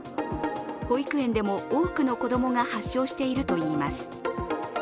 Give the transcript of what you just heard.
保育園でも多くの子供が発症しているといいます。